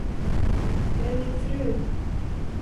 Det är min fru.